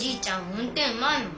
運転うまいもん。